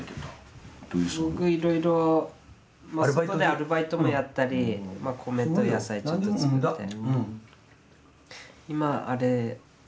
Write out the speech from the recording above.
僕いろいろまあ外でアルバイトもやったり米と野菜ちょっと作って。